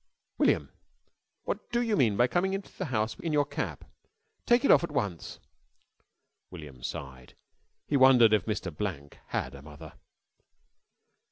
"William, what do you mean by coming into the house in your cap? Take it off at once." William sighed. He wondered if Mr. Blank had a mother.